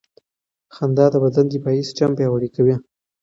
خندا د بدن دفاعي سیستم پیاوړی کوي.